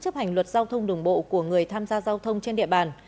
chấp hành luật giao thông đường bộ của người tham gia giao thông trên địa bàn